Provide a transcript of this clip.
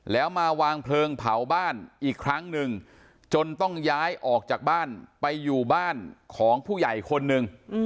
แล้วมาวางเพลิงเผาบ้านอีกครั้งหนึ่งจนต้องย้ายออกจากบ้านไปอยู่บ้านของผู้ใหญ่คนหนึ่ง